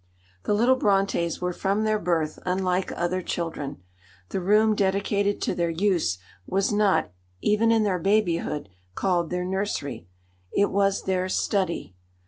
The little Brontës were from their birth unlike other children. The room dedicated to their use was not, even in their babyhood, called their nursery; it was their "study."